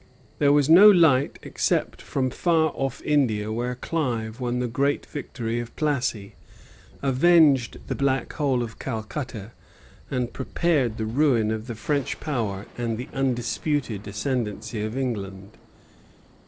There was no light except from far off India, where Clive won the great victory of Plassey, avenged the Black Hole of Calcutta, and prepared the ruin of the French power and the undisputed ascendency of England.